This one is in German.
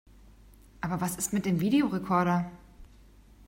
Aber was ist mit dem Videorekorder?